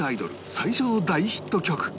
最初の大ヒット曲